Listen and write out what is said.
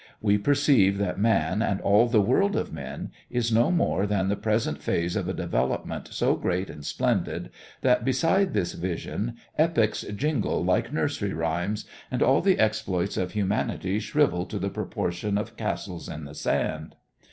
We perceive that man, and all the world of men, is no more than the present phase of a development so great and splendid that beside this vision epics jingle like nursery rhymes, and all the exploits of humanity shrivel to the proportion of castles in the sand.